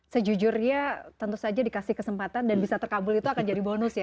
sejujurnya tentu saja dikasih kesempatan dan bisa terkabul itu akan jadi bonus ya